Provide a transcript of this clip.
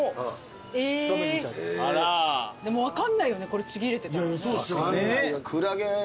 分かんないよねこれちぎれてたらね。